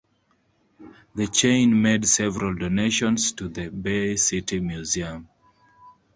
The chain made several donations to the Bay City Museum.